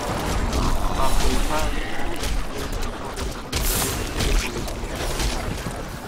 After retiring from active sports he started a career in football administration.